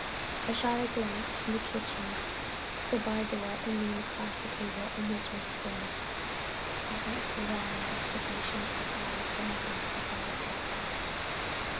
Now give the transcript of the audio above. I shot a glance from the kitchen to the bar door and then leaned across the table, almost whispering: "I don't see that our investigations have got us anything but a bad supper."